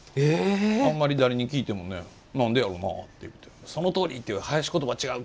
あんまり誰に聞いてもなんでやろなって言ってそのとおり！っていう囃子言葉ちゃうか？